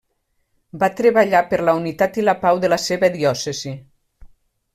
Va treballar per la unitat i la pau de la seva diòcesi.